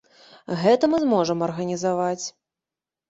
Гэта мы зможам арганізаваць.